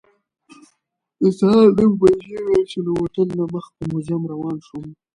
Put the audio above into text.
د سهار نهه بجې وې چې له هوټل نه مخ په موزیم روان شوم.